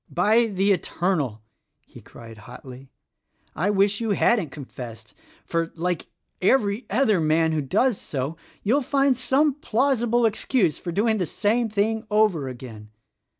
"By the Eternal!" he cried hotly, "I wish you hadn't confessed; for, like every other man who does so, you'll find some plausible excuse for doing the same thing over again.